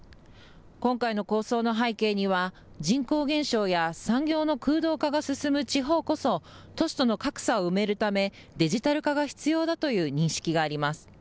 今回の構想の背景には人口減少や産業の空洞化が進む地方こそ都市との格差を埋めるためデジタル化が必要だという認識があります。